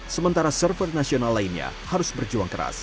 sementara server nasional lainnya harus berjuang keras